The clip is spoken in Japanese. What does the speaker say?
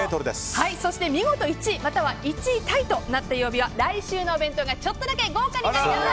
そして見事１位または１位タイとなった曜日は来週のお弁当がちょっとだけ豪華になります。